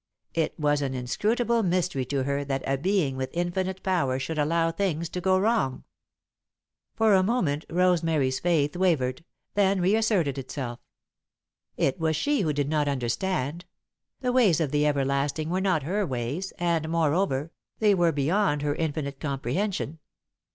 It was an inscrutable mystery to her that a Being with infinite power should allow things to go wrong. For the moment Rosemary's faith wavered, then re asserted itself. It was she who did not understand: the ways of the Everlasting were not her ways, and, moreover, they were beyond her finite comprehension.